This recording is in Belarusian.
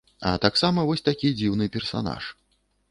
А таксама вось такі дзіўны персанаж.